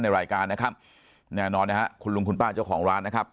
ในรายการนะครับแน่นอนนะฮะคุณลุงคุณป้าเจ้าของร้านนะครับ